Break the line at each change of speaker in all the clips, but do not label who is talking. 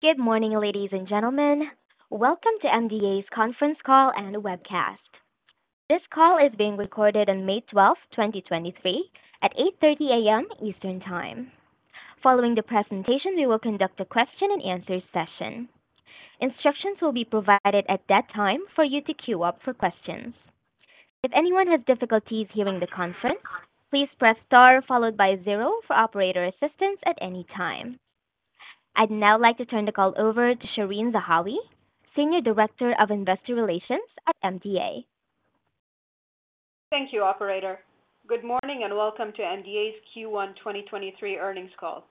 Good morning, ladies and gentlemen. Welcome to MDA's conference call and webcast. This call is being recorded on May 12, 2023 at 8:30 A.M. Eastern Time. Following the presentation, we will conduct a Q&A session. Instructions will be provided at that time for you to queue up for questions. If anyone has difficulties hearing the conference, please press star zero for operator assistance at any time. I'd now like to turn the call over to Shereen Zahawi, Senior Director of Investor Relations at MDA.
Thank you, operator. Good morning and welcome to MDA's Q1 2023 earnings call.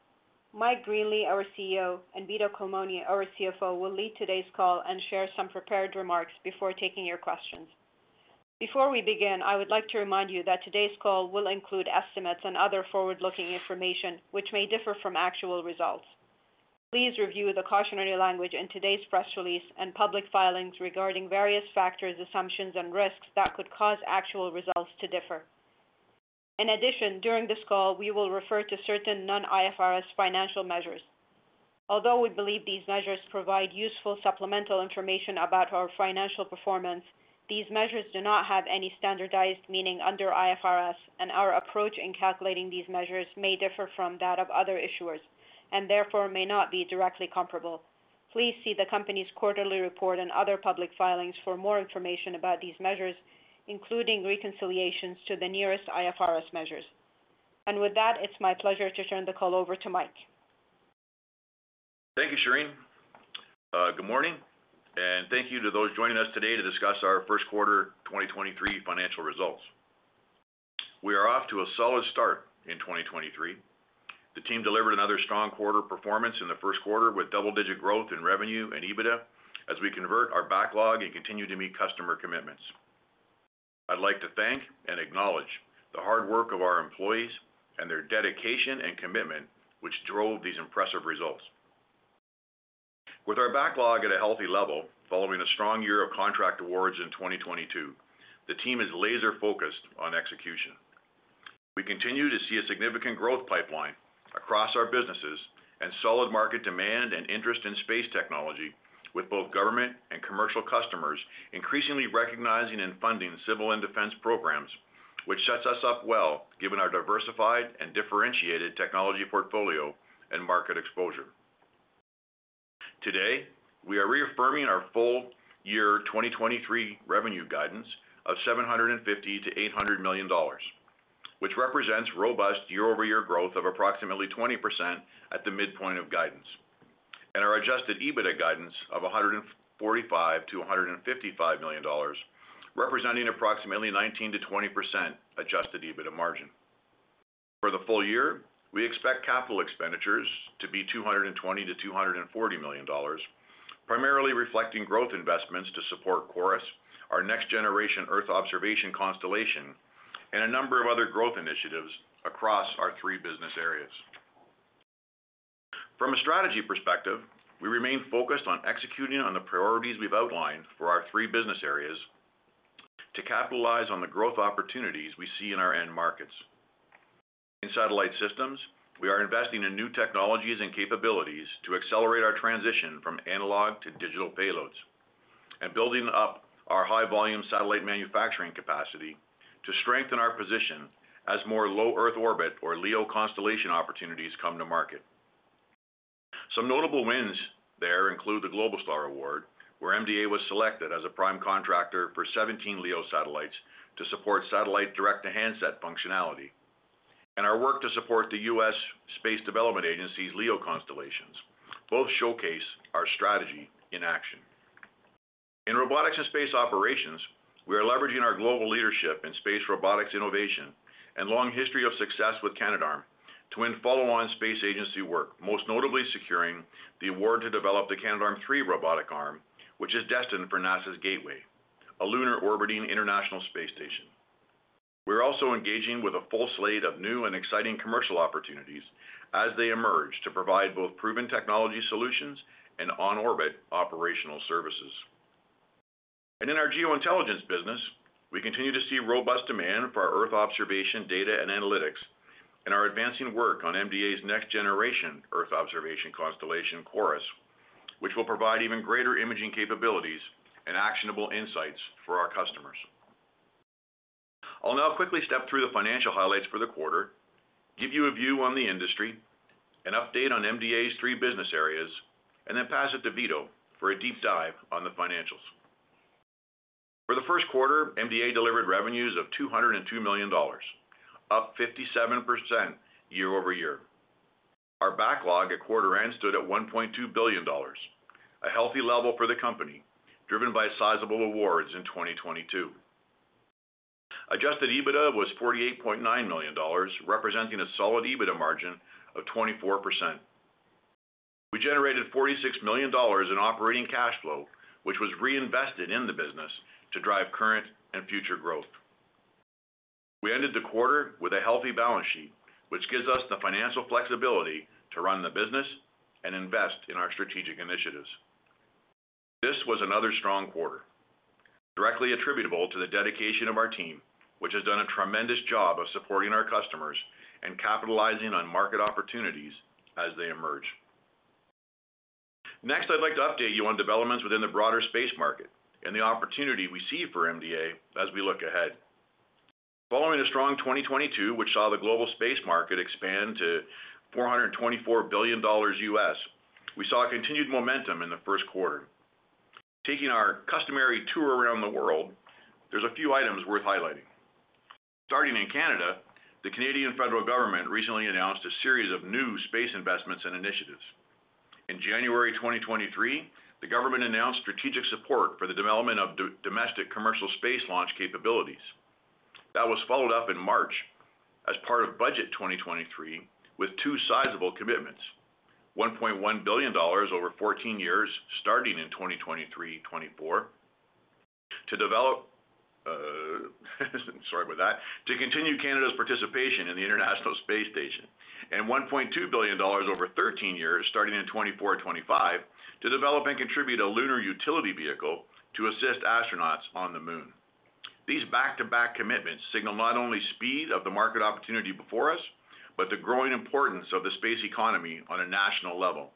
Mike Greenley, our CEO, and Vito Culmone, our CFO, will lead today's call and share some prepared remarks before taking your questions. Before we begin, I would like to remind you that today's call will include estimates and other forward-looking information which may differ from actual results. Please review the cautionary language in today's press release and public filings regarding various factors, assumptions, and risks that could cause actual results to differ. In addition, during this call, we will refer to certain non-IFRS financial measures. Although we believe these measures provide useful supplemental information about our financial performance, these measures do not have any standardized meaning under IFRS, and our approach in calculating these measures may differ from that of other issuers and therefore may not be directly comparable. Please see the company's quarterly report and other public filings for more information about these measures, including reconciliations to the nearest IFRS measures. With that, it's my pleasure to turn the call over to Mike.
Thank you, Shereen. Good morning, and thank you to those joining us today to discuss our Q1 2023 financial results. We are off to a solid start in 2023. The team delivered another strong quarter performance in the Q1 with double-digit growth in revenue and EBITDA as we convert our backlog and continue to meet customer commitments. I'd like to thank and acknowledge the hard work of our employees and their dedication and commitment, which drove these impressive results. With our backlog at a healthy level following a strong year of contract awards in 2022, the team is laser-focused on execution. We continue to see a significant growth pipeline across our businesses and solid market demand and interest in space technology with both government and commercial customers increasingly recognizing and funding civil and defense programs, which sets us up well given our diversified and differentiated technology portfolio and market exposure. Today, we are reaffirming our full year 2023 revenue guidance of 750 million-800 million dollars, which represents robust year-over-year growth of approximately 20% at the midpoint of guidance. Our adjusted EBITDA guidance of 145 million-155 million dollars, representing approximately 19%-20% adjusted EBITDA margin. For the full year, we expect capital expenditures to be 220 million-240 million dollars, primarily reflecting growth investments to support CHORUS, our next-generation Earth observation constellation and a number of other growth initiatives across our three business areas. From a strategy perspective, we remain focused on executing on the priorities we've outlined for our three business areas to capitalize on the growth opportunities we see in our end markets. In satellite systems, we are investing in new technologies and capabilities to accelerate our transition from analog to digital payloads and building up our high-volume satellite manufacturing capacity to strengthen our position as more low Earth orbit or LEO constellation opportunities come to market. Some notable wins there include the Globalstar Award, where MDA was selected as a prime contractor for 17 LEO satellites to support satellite direct-to-handset functionality. Our work to support the U.S. Space Development Agency's LEO constellations both showcase our strategy in action. In robotics and space operations, we are leveraging our global leadership in space robotics innovation and long history of success with Canadarm to win follow-on space agency work, most notably securing the award to develop the Canadarm3 robotic arm, which is destined for NASA's Gateway, a lunar orbiting international space station. We're also engaging with a full slate of new and exciting commercial opportunities as they emerge to provide both proven technology solutions and on-orbit operational services. In our geo intelligence business, we continue to see robust demand for our Earth observation data and analytics and are advancing work on MDA's next-generation Earth observation constellation, MDA CHORUS, which will provide even greater imaging capabilities and actionable insights for our customers. I'll now quickly step through the financial highlights for the quarter, give you a view on the industry, an update on MDA's three business areas, pass it to Vito for a deep dive on the financials. For the Q1, MDA delivered revenues of 202 million dollars, up 57% year-over-year. Our backlog at quarter end stood at 1.2 billion dollars, a healthy level for the company, driven by sizable awards in 2022. Adjusted EBITDA was 48.9 million dollars, representing a solid EBITDA margin of 24%. We generated 46 million dollars in operating cash flow, which was reinvested in the business to drive current and future growth. We ended the quarter with a healthy balance sheet, which gives us the financial flexibility to run the business and invest in our strategic initiatives. This was another strong quarter, directly attributable to the dedication of our team, which has done a tremendous job of supporting our customers and capitalizing on market opportunities as they emerge. I'd like to update you on developments within the broader space market and the opportunity we see for MDA as we look ahead. Following a strong 2022, which saw the global space market expand to $424 billion USD, we saw a continued momentum in the Q1. Taking our customary tour around the world, there's a few items worth highlighting. Starting in Canada, the Canadian federal government recently announced a series of new space investments and initiatives. In January 2023, the government announced strategic support for the development of domestic commercial space launch capabilities. That was followed up in March as part of budget 2023 with two sizable commitments. 1.1 billion dollars over 14 years, starting in 2023-2024 to continue Canada's participation in the International Space Station, and 1.2 billion dollars over 13 years, starting in 2024-2025 to develop and contribute a lunar utility vehicle to assist astronauts on the moon. These back-to-back commitments signal not only speed of the market opportunity before us, but the growing importance of the space economy on a national level.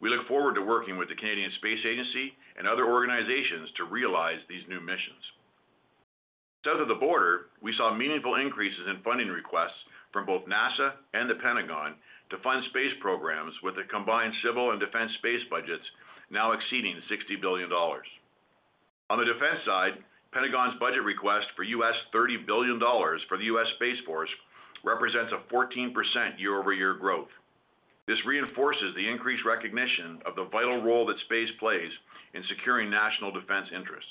We look forward to working with the Canadian Space Agency and other organizations to realize these new missions. South of the border, we saw meaningful increases in funding requests from both NASA and The Pentagon to fund space programs with the combined civil and defense space budgets now exceeding $60 billion. On the defense side, The Pentagon's budget request for $30 billion for the U.S. Space Force represents a 14% year-over-year growth. This reinforces the increased recognition of the vital role that space plays in securing national defense interests.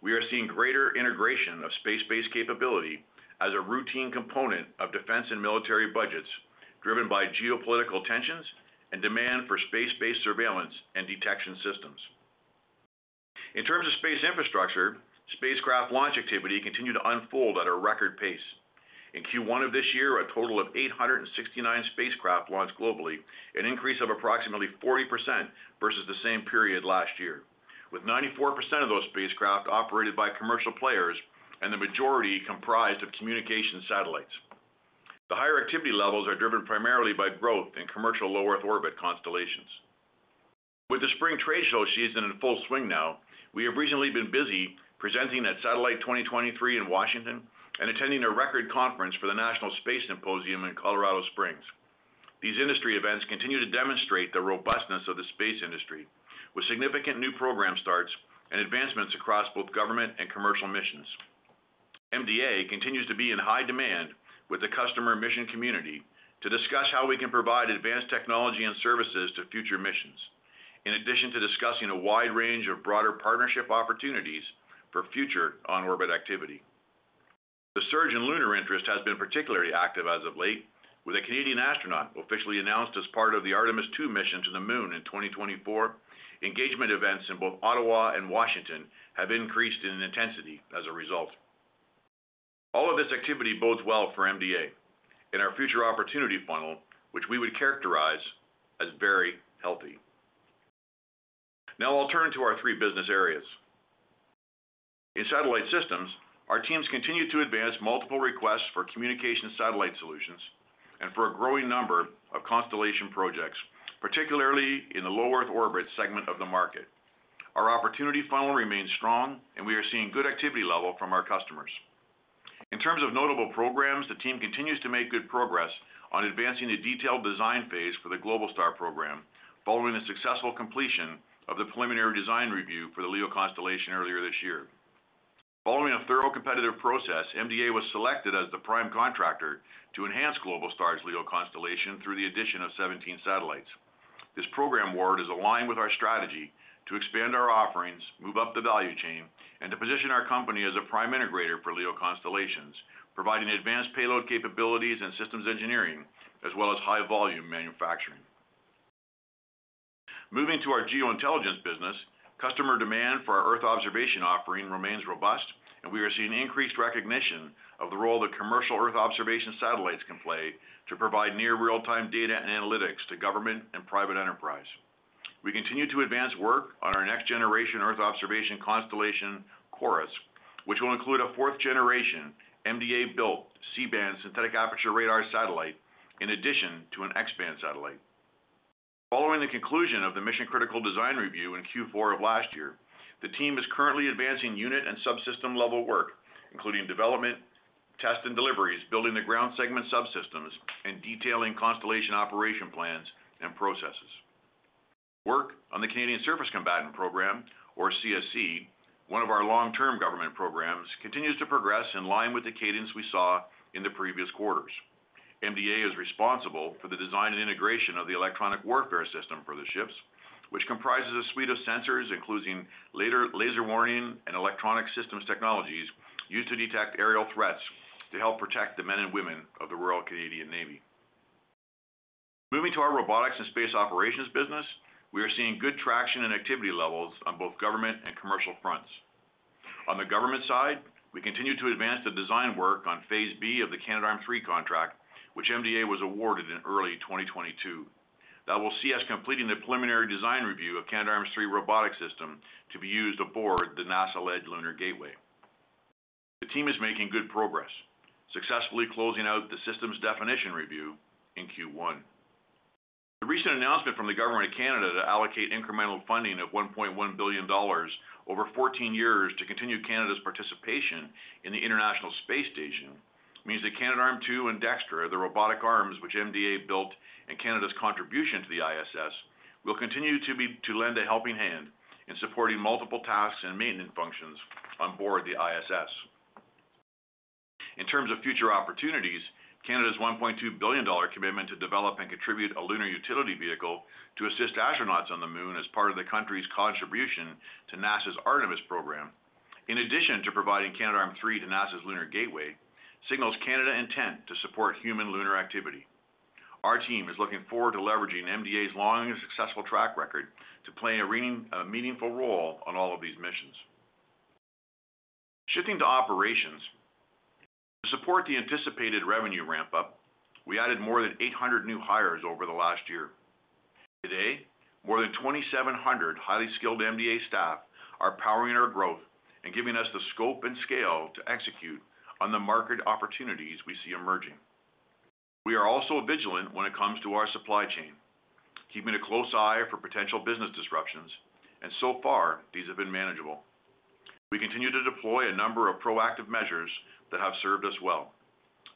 We are seeing greater integration of space-based capability as a routine component of defense and military budgets, driven by geopolitical tensions and demand for space-based surveillance and detection systems. In terms of space infrastructure, spacecraft launch activity continued to unfold at a record pace. In Q1 of this year, a total of 869 spacecraft launched globally, an increase of approximately 40% versus the same period last year, with 94% of those spacecraft operated by commercial players and the majority comprised of communication satellites. The higher activity levels are driven primarily by growth in commercial low Earth orbit constellations. With the spring trade show season in full swing now, we have recently been busy presenting at SATELLITE 2023 in Washington and attending a record conference for the National Space Symposium in Colorado Springs. These industry events continue to demonstrate the robustness of the space industry with significant new program starts and advancements across both government and commercial missions. MDA continues to be in high demand with the customer mission community to discuss how we can provide advanced technology and services to future missions, in addition to discussing a wide range of broader partnership opportunities for future on-orbit activity. The surge in lunar interest has been particularly active as of late, with a Canadian astronaut officially announced as part of the Artemis II mission to the Moon in 2024. Engagement events in both Ottawa and Washington have increased in intensity as a result. All of this activity bodes well for MDA in our future opportunity funnel, which we would characterize as very healthy. Now I'll turn to our three business areas. In satellite systems, our teams continue to advance multiple requests for communication satellite solutions and for a growing number of constellation projects, particularly in the low Earth orbit segment of the market. Our opportunity funnel remains strong. We are seeing good activity level from our customers. In terms of notable programs, the team continues to make good progress on advancing the detailed design phase for the Globalstar program following the successful completion of the preliminary design review for the LEO constellation earlier this year. Following a thorough competitive process, MDA was selected as the prime contractor to enhance Globalstar's LEO constellation through the addition of 17 satellites. This program award is aligned with our strategy to expand our offerings, move up the value chain, and to position our company as a prime integrator for LEO constellations, providing advanced payload capabilities and systems engineering as well as high-volume manufacturing. Moving to our geo intelligence business, customer demand for our Earth observation offering remains robust, and we are seeing increased recognition of the role that commercial Earth observation satellites can play to provide near real-time data and analytics to government and private enterprise. We continue to advance work on our next-generation Earth observation constellation, CHORUS, which will include a fourth generation MDA-built C-band Synthetic Aperture Radar satellite in addition to an X-band satellite. Following the conclusion of the mission-critical design review in Q4 of last year, the team is currently advancing unit and subsystem-level work, including development, test, and deliveries, building the ground segment subsystems, and detailing constellation operation plans and processes. Work on the Canadian Surface Combatant program, or CSC, one of our long-term government programs, continues to progress in line with the cadence we saw in the previous quarters. MDA is responsible for the design and integration of the electronic warfare system for the ships, which comprises a suite of sensors including laser warning and electronic systems technologies used to detect aerial threats to help protect the men and women of the Royal Canadian Navy. Moving to our robotics and space operations business, we are seeing good traction and activity levels on both government and commercial fronts. On the government side, we continue to advance the design work on phase B of the Canadarm3 contract, which MDA was awarded in early 2022. That will see us completing the preliminary design review of Canadarm3 robotic system to be used aboard the NASA-led Lunar Gateway. The team is making good progress, successfully closing out the system definition review in Q1. The recent announcement from the Government of Canada to allocate incremental funding of 1.1 billion dollars over 14 years to continue Canada's participation in the International Space Station means that Canadarm2 and Dextre, the robotic arms which MDA built, and Canada's contribution to the ISS, will continue to lend a helping hand in supporting multiple tasks and maintenance functions on board the ISS. In terms of future opportunities, Canada's 1.2 billion dollar commitment to develop and contribute a lunar utility vehicle to assist astronauts on the Moon as part of the country's contribution to NASA's Artemis program, in addition to providing Canadarm3 to NASA's Lunar Gateway, signals Canada intent to support human lunar activity. Our team is looking forward to leveraging MDA's long and successful track record to play a meaningful role on all of these missions. Shifting to operations. To support the anticipated revenue ramp-up, we added more than 800 new hires over the last year. Today, more than 2,700 highly skilled MDA staff are powering our growth and giving us the scope and scale to execute on the market opportunities we see emerging. So far, these have been manageable. We continue to deploy a number of proactive measures that have served us well.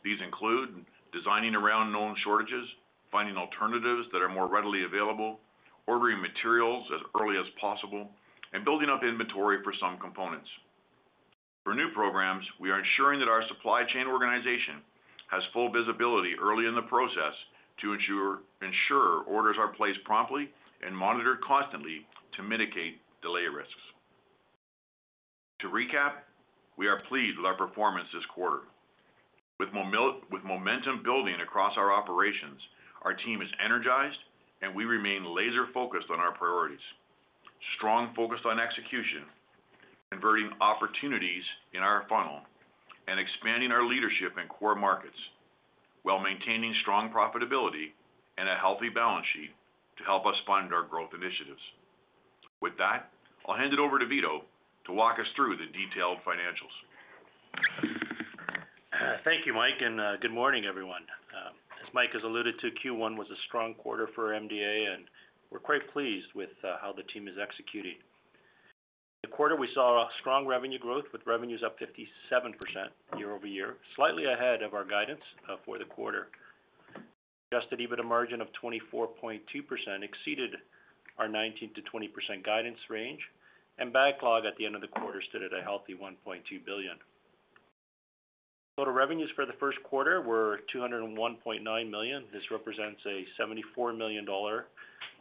These include designing around known shortages, finding alternatives that are more readily available, ordering materials as early as possible, and building up inventory for some components. For new programs, we are ensuring that our supply chain organization has full visibility early in the process to ensure orders are placed promptly and monitored constantly to mitigate delay risks. To recap, we are pleased with our performance this quarter. With momentum building across our operations, our team is energized, and we remain laser-focused on our priorities. Strong focus on execution, converting opportunities in our funnel, and expanding our leadership in core markets while maintaining strong profitability and a healthy balance sheet to help us fund our growth initiatives. With that, I'll hand it over to Vito to walk us through the detailed financials.
Thank you, Mike. Good morning, everyone. As Mike has alluded to, Q1 was a strong quarter for MDA. We're quite pleased with how the team is executing. In the quarter, we saw strong revenue growth with revenues up 57% year-over-year, slightly ahead of our guidance for the quarter. Adjusted EBITDA margin of 24.2% exceeded our 19%-20% guidance range. Backlog at the end of the quarter stood at a healthy 1.2 billion. Total revenues for the Q1 were 201.9 million. This represents a 74 million dollar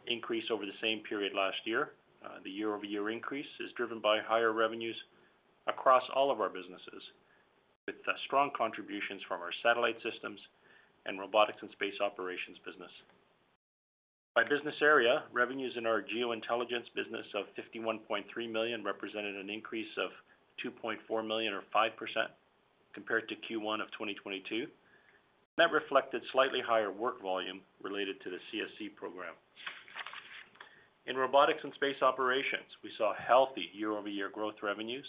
increase over the same period last year. The year-over-year increase is driven by higher revenues across all of our businesses, with strong contributions from our satellite systems and robotics and space operations business. By business area, revenues in our geo intelligence business of 51.3 million represented an increase of 2.4 million or 5% compared to Q1 2022. That reflected slightly higher work volume related to the CSC program. In robotics and space operations, we saw healthy year-over-year growth revenues,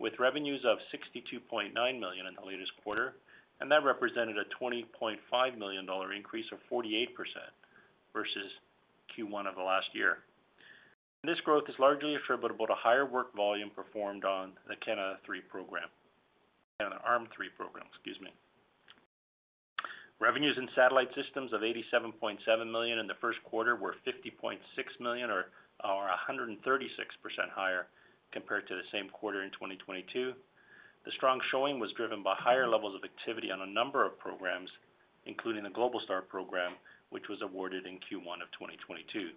with revenues of 62.9 million in the latest quarter, and that represented a 20.5 million dollar increase of 48% versus Q1 last year. This growth is largely attributable to higher work volume performed on the Canadarm3 program. Canadarm3 program, excuse me. Revenues in satellite systems of 87.7 million in the Q1 were 50.6 million or 136% higher compared to the same quarter in 2022. The strong showing was driven by higher levels of activity on a number of programs, including the Globalstar program, which was awarded in Q1 of 2022.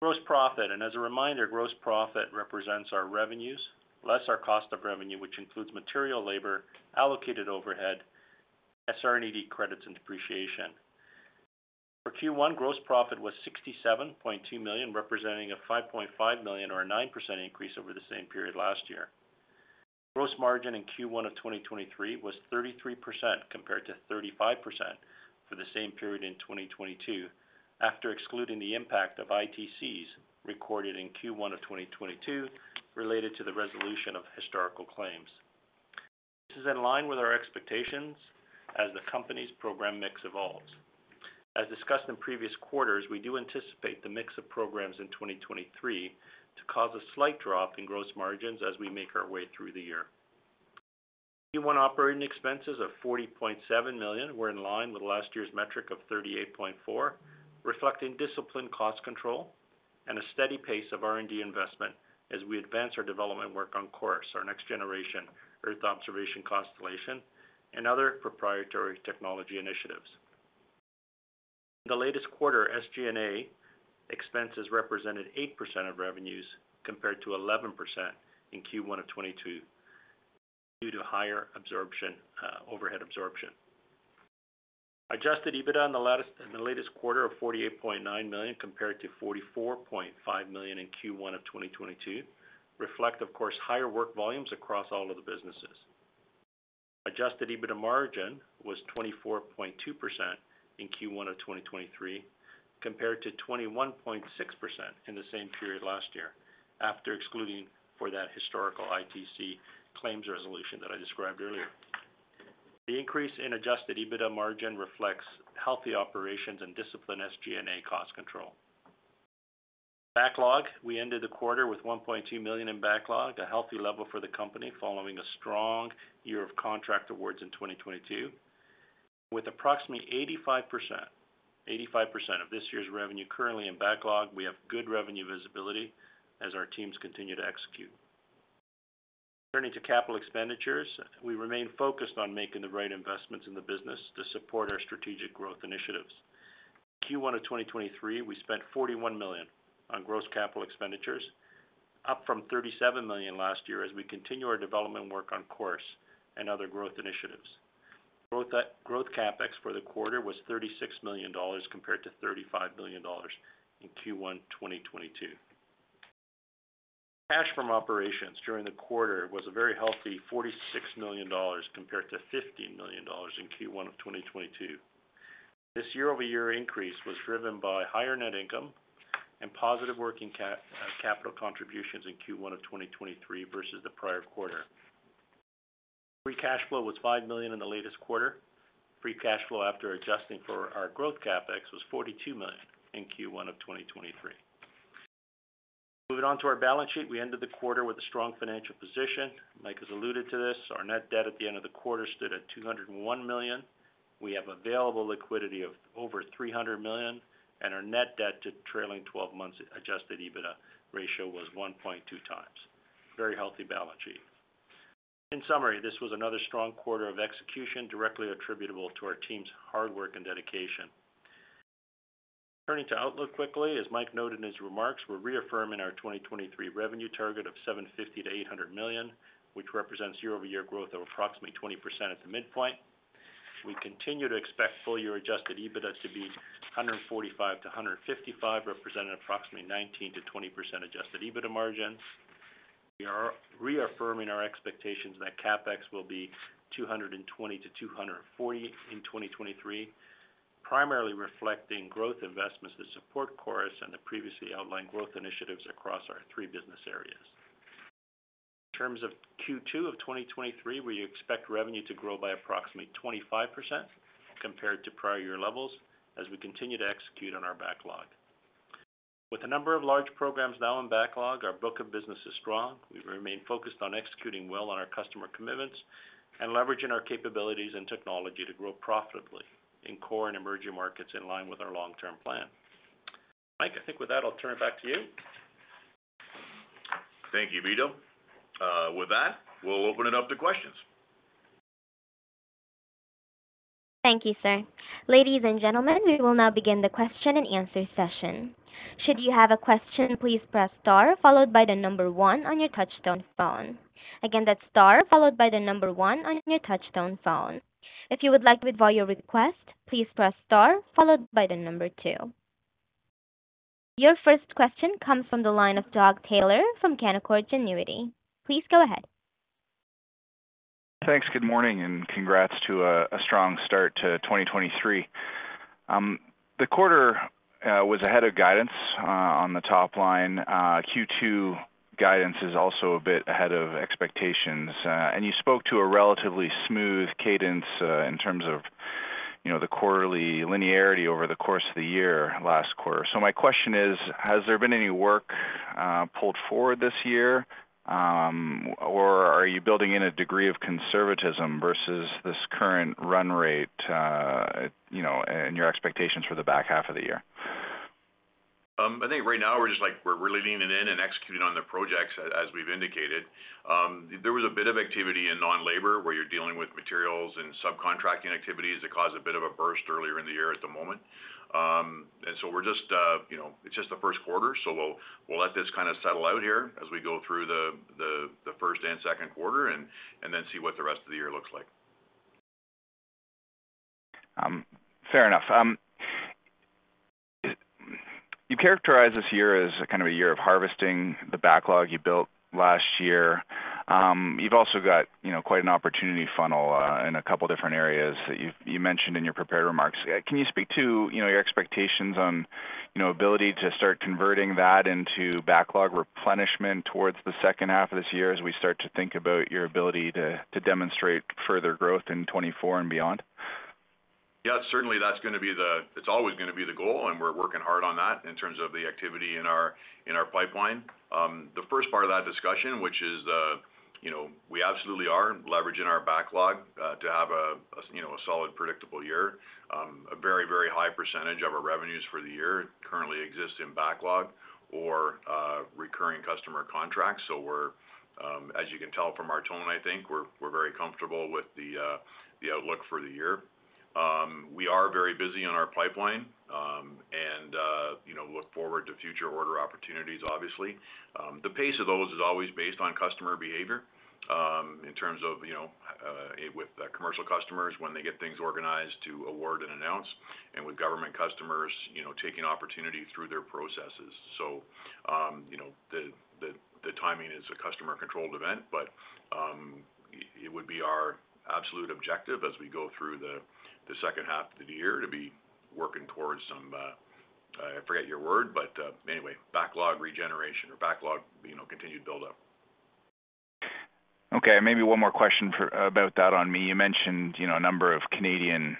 Gross profit, and as a reminder, gross profit represents our revenues, less our cost of revenue, which includes material, labor, allocated overhead, SR&ED credits, and depreciation. For Q1, gross profit was 67.2 million, representing a 5.5 million or a 9% increase over the same period last year. Gross margin in Q1 of 2023 was 33% compared to 35% for the same period in 2022 after excluding the impact of ITCs recorded in Q1 of 2022 related to the resolution of historical claims. This is in line with our expectations as the company's program mix evolves. As discussed in previous quarters, we do anticipate the mix of programs in 2023 to cause a slight drop in gross margins as we make our way through the year. Q1 operating expenses of 40.7 million were in line with last year's metric of 38.4 million, reflecting disciplined cost control and a steady pace of R&D investment as we advance our development work on MDA CHORUS, our next-generation Earth observation constellation and other proprietary technology initiatives. In the latest quarter, SG&A expenses represented 8% of revenues compared to 11% in Q1 of 2022 due to higher absorption, overhead absorption. Adjusted EBITDA in the latest quarter of 48.9 million, compared to 44.5 million in Q1 of 2022 reflect, of course, higher work volumes across all of the businesses. Adjusted EBITDA margin was 24.2% in Q1 of 2023, compared to 21.6% in the same period last year, after excluding for that historical ITC claims resolution that I described earlier. The increase in adjusted EBITDA margin reflects healthy operations and disciplined SG&A cost control. Backlog, we ended the quarter with 1.2 million in backlog, a healthy level for the company following a strong year of contract awards in 2022. With approximately 85% of this year's revenue currently in backlog, we have good revenue visibility as our teams continue to execute. Turning to capital expenditures, we remain focused on making the right investments in the business to support our strategic growth initiatives. In Q1 of 2023, we spent 41 million on gross capital expenditures, up from 37 million last year as we continue our development work on CHORUS and other growth initiatives. Growth CapEx for the quarter was 36 million dollars compared to 35 million dollars in Q1 2022. Cash from operations during the quarter was a very healthy 46 million dollars compared to 15 million dollars in Q1 of 2022. This year-over-year increase was driven by higher net income and positive working capital contributions in Q1 of 2023 versus the prior quarter. Free cash flow was 5 million in the latest quarter. Free cash flow, after adjusting for our growth CapEx, was 42 million in Q1 of 2023. Moving on to our balance sheet, we ended the quarter with a strong financial position. Mike has alluded to this. Our net debt at the end of the quarter stood at 201 million. We have available liquidity of over 300 million, and our net debt to trailing 12 months adjusted EBITDA ratio was 1.2x. Very healthy balance sheet. Turning to outlook quickly. As Mike Greenley noted in his remarks, we're reaffirming our 2023 revenue target of 750 million-800 million, which represents year-over-year growth of approximately 20% at the midpoint. We continue to expect full-year adjusted EBITDA to be 145-155, representing approximately 19%-20% adjusted EBITDA margins. We are reaffirming our expectations that CapEx will be $220 million-$240 million in 2023, primarily reflecting growth investments to support CHORUS and the previously outlined growth initiatives across our three business areas. In terms of Q2 of 2023, we expect revenue to grow by approximately 25% compared to prior year levels as we continue to execute on our backlog. With a number of large programs now in backlog, our book of business is strong. We remain focused on executing well on our customer commitments and leveraging our capabilities and technology to grow profitably in core and emerging markets in line with our long-term plan. Mike, I think with that, I'll turn it back to you.
Thank you, Vito. With that, we'll open it up to questions.
Thank you, sir. Ladies and gentlemen, we will now begin the Q&A session. Should you have a question, please press star followed by the number one on your touchtone phone. Again, that's star followed by the number one on your touchtone phone. If you would like to withdraw your request, please press star followed by the number two. Your first question comes from the line of Doug Taylor from Canaccord Genuity. Please go ahead.
Thanks. Good morning, congrats to a strong start to 2023. The quarter was ahead of guidance on the top line. Q2 guidance is also a bit ahead of expectations, and you spoke to a relatively smooth cadence in terms of, you know, the quarterly linearity over the course of the year, last quarter. My question is, has there been any work pulled forward this year, or are you building in a degree of conservatism versus this current run rate, you know, and your expectations for the back half of the year?
I think right now we're just like, we're really leaning in and executing on the projects as we've indicated. There was a bit of activity in non-labor, where you're dealing with materials and subcontracting activities that caused a bit of a burst earlier in the year at the moment. We're just, you know, it's just the Q1, so we'll let this kind of settle out here as we go through the Q1 and Q2 and then see what the rest of the year looks like.
Fair enough. You characterize this year as kind of a year of harvesting the backlog you built last year. You've also got, you know, quite an opportunity funnel, in a couple different areas that you mentioned in your prepared remarks. Can you speak to, you know, your expectations on, you know, ability to start converting that into backlog replenishment towards the H2 of this year as we start to think about your ability to demonstrate further growth in 2024 and beyond?
Yeah, certainly that's gonna be the it's always gonna be the goal, and we're working hard on that in terms of the activity in our pipeline. The first part of that discussion, which is the, you know, we absolutely are leveraging our backlog, to have a, you know, a solid predictable year. A very, very high percentage of our revenues for the year currently exist in backlog or recurring customer contracts. We're, as you can tell from our tone, I think, we're very comfortable with the outlook for the year. We are very busy in our pipeline. Look forward to future order opportunities, obviously. The pace of those is always based on customer behavior, in terms of, you know, with commercial customers when they get things organized to award and announce, and with government customers, you know, taking opportunity through their processes. You know, the timing is a customer-controlled event, but it would be our absolute objective as we go through the H2 of the year to be working towards some, I forget your word, but anyway, backlog regeneration or backlog, you know, continued buildup.
Okay, maybe one more question about that on me. You mentioned, you know, a number of Canadian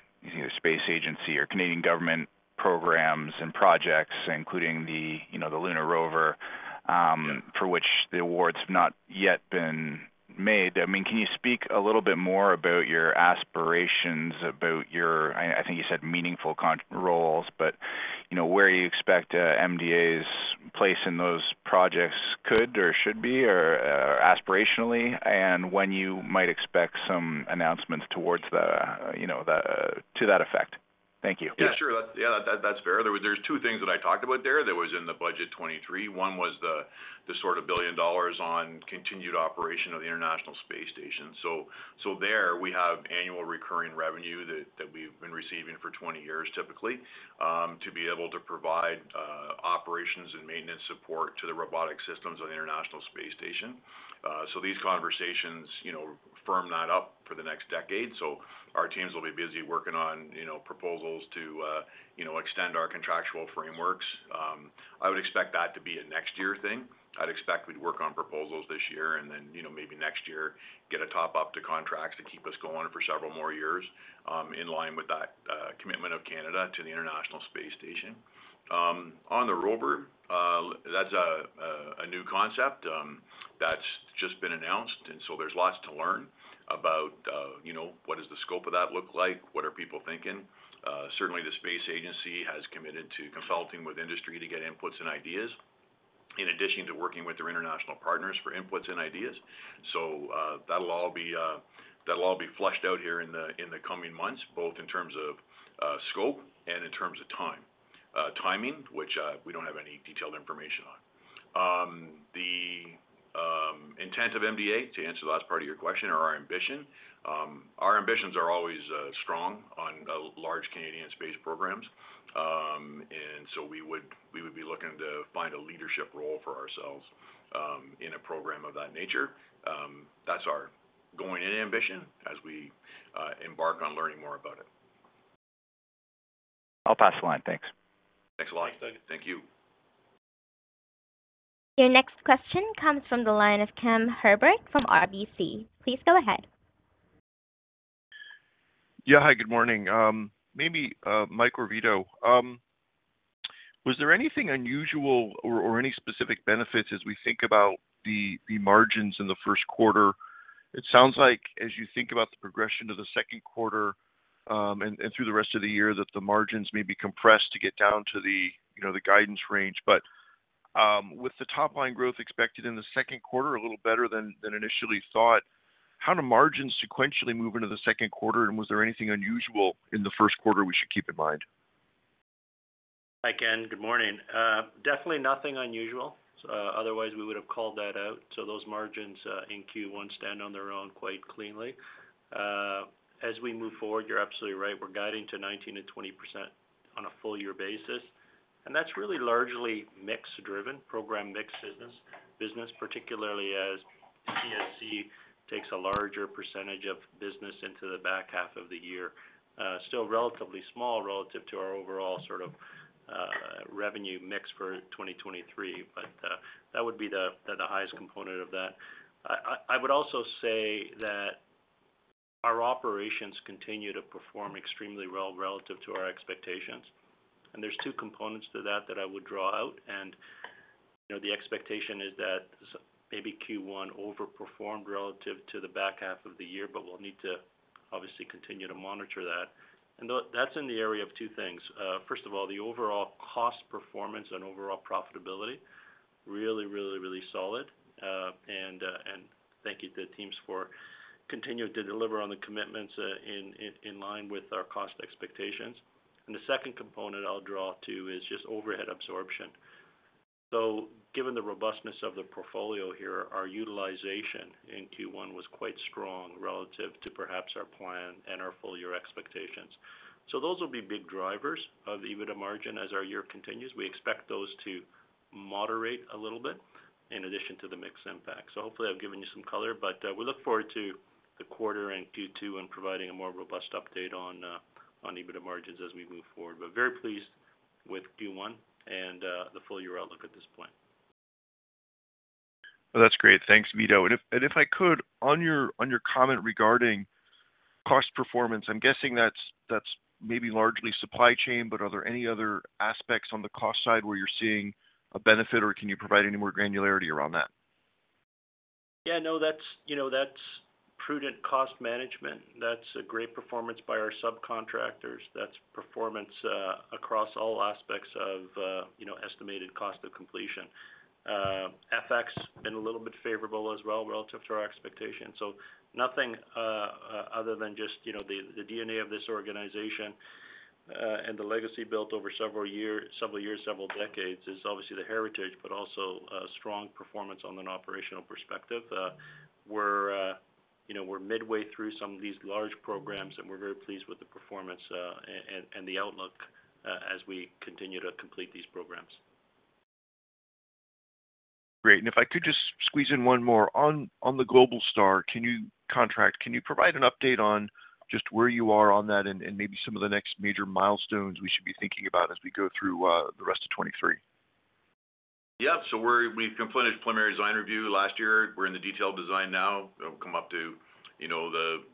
Space Agency or Canadian government programs and projects, including the, you know, the lunar rover, for which the award's not yet been made. I mean, can you speak a little bit more about your aspirations about your, I think you said meaningful roles, but, you know, where you expect MDA's place in those projects could or should be or aspirationally, and when you might expect some announcements towards the, you know, to that effect? Thank you.
Yeah, sure. Yeah, that's fair. There's two things that I talked about there that was in the budget 2023. One was the sort of billion dollars on continued operation of the International Space Station. There we have annual recurring revenue that we've been receiving for 20 years, typically, to be able to provide operations and maintenance support to the robotic systems on the International Space Station. These conversations, you know, firm that up for the next decade. Our teams will be busy working on, you know, proposals to, you know, extend our contractual frameworks. I would expect that to be a next year thing. I'd expect we'd work on proposals this year and then, you know, maybe next year get a top-up to contracts to keep us going for several more years, in line with that commitment of Canada to the International Space Station. On the rover, that's a new concept, that's just been announced. There's lots to learn about, you know, what does the scope of that look like? What are people thinking? Certainly the Space Agency has committed to consulting with industry to get inputs and ideas, in addition to working with their international partners for inputs and ideas. That'll all be fleshed out here in the coming months, both in terms of scope and in terms of time. Timing, which we don't have any detailed information on. The intent of MDA, to answer the last part of your question or our ambition, our ambitions are always strong on large Canadian space programs. So we would, we would be looking to find a leadership role for ourselves, in a program of that nature. That's our going-in ambition as we embark on learning more about it.
I'll pass the line. Thanks.
Thanks a lot. Thank you.
Your next question comes from the line of Ken Herbert from RBC. Please go ahead.
Hi, good morning. Maybe Mike or Vito, was there anything unusual or any specific benefits as we think about the margins in the Q1? It sounds like as you think about the progression to the Q2 and through the rest of the year, that the margins may be compressed to get down to the, you know, the guidance range. With the top line growth expected in the Q2 a little better than initially thought, how do margins sequentially move into the Q2, and was there anything unusual in the Q1 we should keep in mind?
Hi, Ken. Good morning. Definitely nothing unusual. Otherwise, we would have called that out. Those margins in Q1 stand on their own quite cleanly. As we move forward, you're absolutely right. We're guiding to 19%-20% on a full year basis, that's really largely mix-driven, program mix business, particularly as CSC takes a larger percentage of business into the back half of the year. Still relatively small relative to our overall sort of revenue mix for 2023, that would be the highest component of that. I would also say that our operations continue to perform extremely well relative to our expectations. There's two components to that that I would draw out. You know, the expectation is that maybe Q1 overperformed relative to the back half of the year, but we'll need to obviously continue to monitor that. That's in the area of two things. First of all, the overall cost performance and overall profitability, really, really, really solid. Thank you to the teams for continuing to deliver on the commitments, in line with our cost expectations. The second component I'll draw to is just overhead absorption. Given the robustness of the portfolio here, our utilization in Q1 was quite strong relative to perhaps our plan and our full year expectations. Those will be big drivers of EBITDA margin as our year continues. We expect those to moderate a little bit in addition to the mix impact. Hopefully, I've given you some color, but we look forward to the quarter in Q2 and providing a more robust update on EBITDA margins as we move forward. Very pleased with Q1 and the full year outlook at this point.
Well, that's great. Thanks, Vito. If I could, on your comment regarding cost performance, I'm guessing that's maybe largely supply chain, but are there any other aspects on the cost side where you're seeing a benefit, or can you provide any more granularity around that?
Yeah, no, that's, you know, that's prudent cost management. That's a great performance by our subcontractors. That's performance across all aspects of, you know, estimated cost of completion. FX been a little bit favorable as well relative to our expectations. Nothing other than just, you know, the DNA of this organization, and the legacy built over several years, several decades is obviously the heritage, but also, strong performance on an operational perspective. We're, you know, we're midway through some of these large programs, and we're very pleased with the performance, and the outlook as we continue to complete these programs.
Great. If I could just squeeze in one more. On the Globalstar, can you provide an update on just where you are on that and maybe some of the next major milestones we should be thinking about as we go through the rest of 2023?
We've completed preliminary design review last year. We're in the detailed design now. It'll come up to, you know, the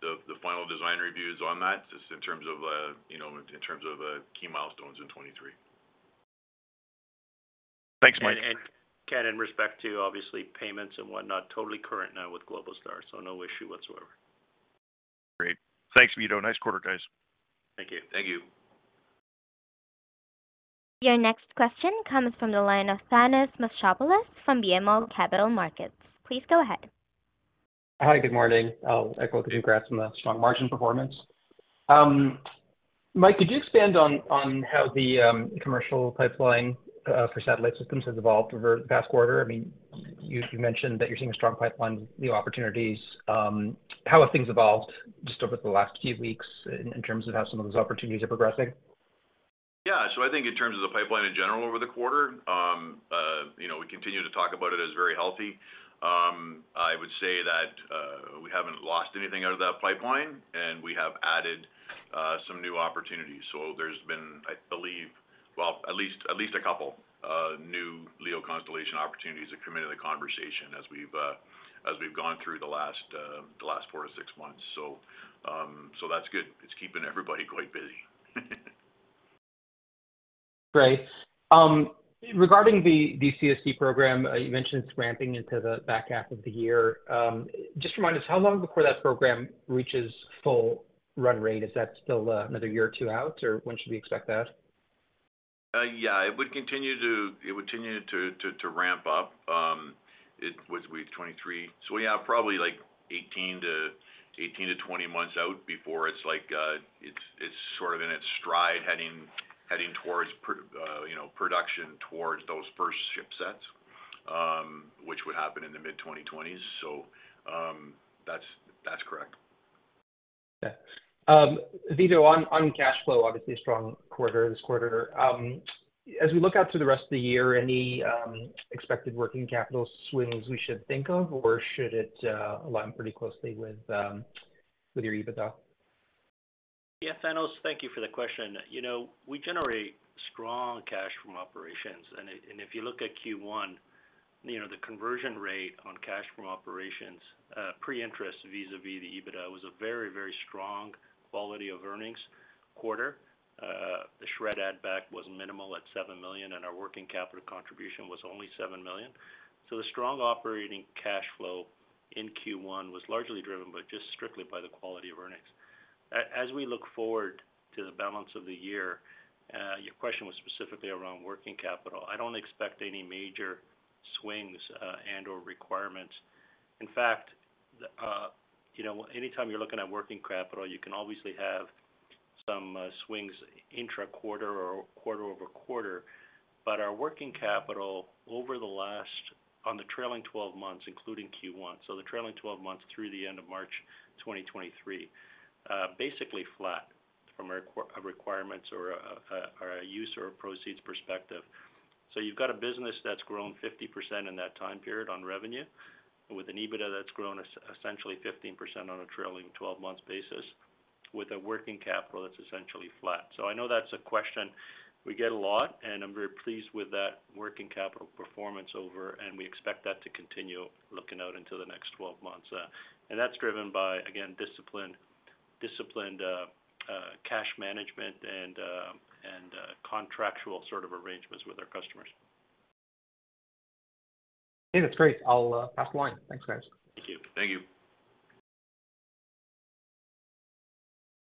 final design reviews on that, just in terms of, you know, in terms of key milestones in 2023.
Thanks, Mike.
Ken, in respect to obviously payments and whatnot, totally current now with Globalstar, no issue whatsoever.
Great. Thanks, Vito. Nice quarter, guys.
Thank you.
Thank you.
Your next question comes from the line of Thanos Moschopoulos from BMO Capital Markets. Please go ahead.
Hi, good morning. I'll echo congrats on the strong margin performance. Mike, could you expand on how the commercial pipelining for satellite systems has evolved over the past quarter? I mean, you mentioned that you're seeing a strong pipeline, new opportunities. How have things evolved just over the last few weeks in terms of how some of those opportunities are progressing?
Yeah. I think in terms of the pipeline in general over the quarter, you know, we continue to talk about it as very healthy. I would say that we haven't lost anything out of that pipeline, and we have added some new opportunities. There's been, I believe, well, at least a couple new LEO constellation opportunities that come into the conversation as we've gone through the last four to six months. That's good. It's keeping everybody quite busy.
Great. Regarding the CSC program, you mentioned it's ramping into the back half of the year. Just remind us, how long before that program reaches full run rate? Is that still, another year or two out, or when should we expect that?
Yeah, it would continue to ramp up. What are we, 2023, Probably like 18 months-20 months out before it's like, it's sort of in its stride heading towards you know, production towards those first ship sets, which would happen in the mid-2020s. That's correct.
Vito, on cash flow, obviously a strong quarter this quarter. As we look out to the rest of the year, any expected working capital swings we should think of, or should it align pretty closely with your EBITDA?
Thanos, thank you for the question. You know, we generate strong cash from operations, and if you look at Q1, you know, the conversion rate on cash from operations, pre-interest vis-à-vis the EBITDA was a very, very strong quality of earnings quarter. The SR&ED add back was minimal at 7 million, and our working capital contribution was only 7 million. The strong operating cash flow in Q1 was largely driven, but just strictly by the quality of earnings. As we look forward to the balance of the year, your question was specifically around working capital. I don't expect any major swings, and/or requirements. In fact, you know, anytime you're looking at working capital, you can obviously have some swings intra-quarter or quarter-over-quarter. Our working capital over the trailing 12 months, including Q1, so the trailing 12 months through the end of March 2023, basically flat from a requirement or a use or proceeds perspective. You've got a business that's grown 50% in that time period on revenue with an EBITDA that's grown essentially 15% on a trailing 12 months basis with a working capital that's essentially flat. I know that's a question we get a lot, and I'm very pleased with that working capital performance over, and we expect that to continue looking out into the next 12 months. That's driven by, again, disciplined cash management and contractual sort of arrangements with our customers.
Okay. That's great. I'll pass the line. Thanks, guys.
Thank you.
Thank you.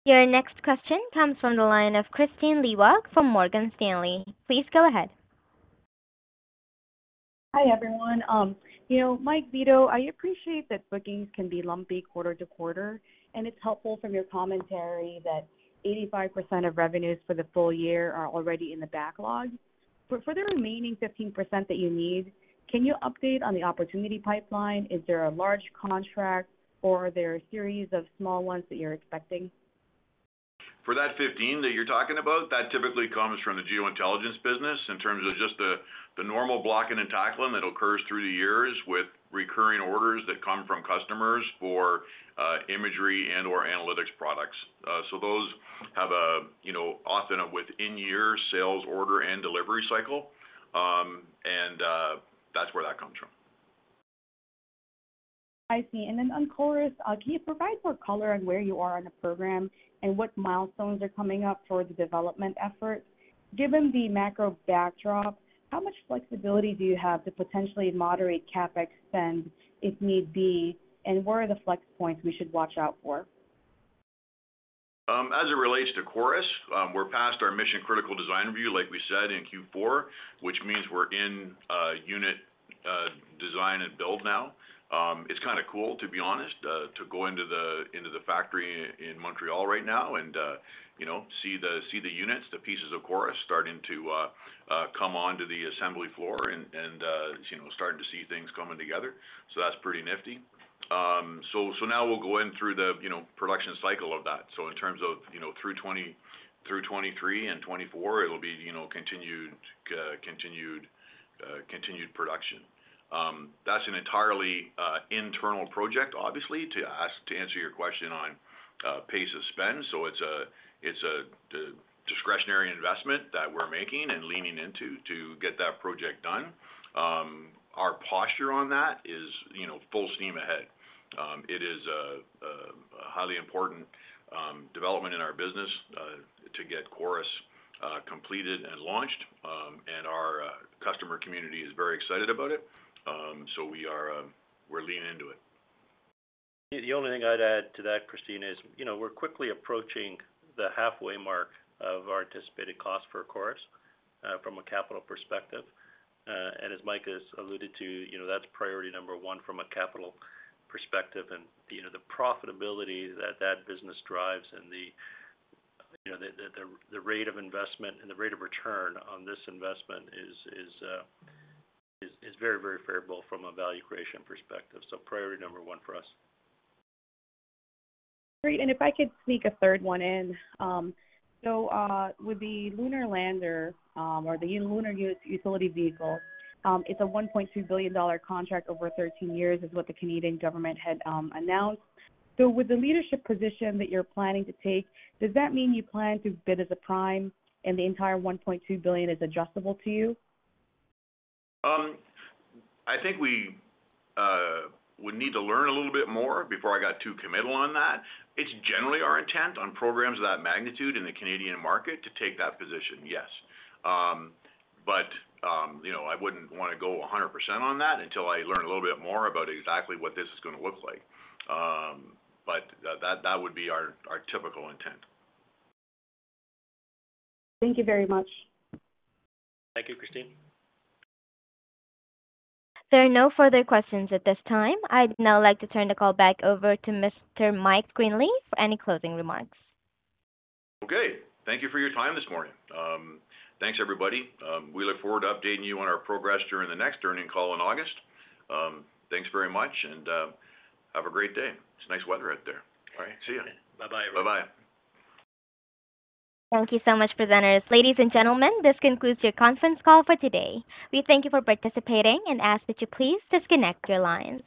Your next question comes from the line of Kristine Liwag from Morgan Stanley. Please go ahead.
Hi, everyone. You know, Mike, Vito, I appreciate that bookings can be lumpy quarter-to-quarter, and it's helpful from your commentary that 85% of revenues for the full year are already in the backlog. For the remaining 15% that you need, can you update on the opportunity pipeline? Is there a large contract or are there a series of small ones that you're expecting?
For that 15 that you're talking about, that typically comes from the geo intelligence business in terms of just the normal blocking and tackling that occurs through the years with recurring orders that come from customers for imagery and or analytics products. Those have a, you know, often a within year sales order and delivery cycle. That's where that comes from.
I see. On CHORUS, can you provide more color on where you are in the program and what milestones are coming up for the development effort? Given the macro backdrop, how much flexibility do you have to potentially moderate CapEx spend if need be, and where are the flex points we should watch out for?
As it relates to MDA CHORUS, we're past our mission-critical design review, like we said, in Q4, which means we're in unit design and build now. It's kind of cool, to be honest, to go into the factory in Montreal right now and, you know, see the units, the pieces of MDA CHORUS starting to come onto the assembly floor and, you know, starting to see things coming together. That's pretty nifty. Now we'll go in through the, you know, production cycle of that. In terms of, you know, through 2023 and 2024, it'll be, you know, continued production. That's an entirely internal project, obviously, to answer your question on pace of spend. It's a, the discretionary investment that we're making and leaning into to get that project done. Our posture on that is, you know, full steam ahead. It is a highly important development in our business to get CHORUS completed and launched. Our customer community is very excited about it. We are, we're leaning into it.
The only thing I'd add to that, Kristine, is, you know, we're quickly approaching the halfway mark of our anticipated cost for CHORUS, from a capital perspective. As Mike has alluded to, you know, that's priority number one from a capital perspective. You know, the profitability that that business drives and, you know, the rate of investment and the rate of return on this investment is very, very favorable from a value creation perspective. Priority number one for us.
Great. If I could sneak a third one in, with the lunar lander, or the lunar utility vehicle, it's a 1.2 billion dollar contract over 13 years is what the Canadian government had announced. With the leadership position that you're planning to take, does that mean you plan to bid as a prime and the entire 1.2 billion is adjustable to you?
I think we would need to learn a little bit more before I got too committal on that. It's generally our intent on programs of that magnitude in the Canadian market to take that position, yes. You know, I wouldn't wanna go 100% on that until I learn a little bit more about exactly what this is gonna look like. That, that would be our typical intent.
Thank you very much.
Thank you, Kristine.
There are no further questions at this time. I'd now like to turn the call back over to Mr. Mike Greenley for any closing remarks.
Okay. Thank you for your time this morning. Thanks, everybody. We look forward to updating you on our progress during the next earning call in August. Thanks very much, and have a great day. It's nice weather out there. All right. See ya.
Bye-bye, everyone.
Bye-bye.
Thank you so much, presenters. Ladies and gentlemen, this concludes your conference call for today. We thank you for participating and ask that you please disconnect your lines.